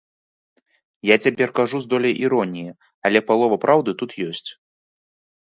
Я цяпер кажу з доляй іроніі, але палова праўды тут ёсць.